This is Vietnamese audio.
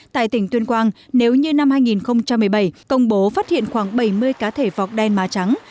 tại tỉnh tuyên quang nếu như năm hai nghìn một mươi bảy công bố phát hiện khoảng bảy mươi cá thể vọc đen mà trắng